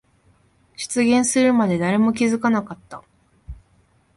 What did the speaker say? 出現するまで誰も気づかなかった。